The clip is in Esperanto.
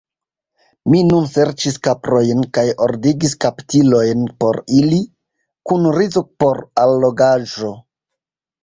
Mi nun serĉis kaprojn, kaj ordigis kaptilojn por ili, kun rizo por allogaĵo.